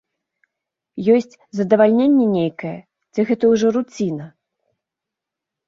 Ёсць задавальненне нейкае, ці гэта ўжо руціна?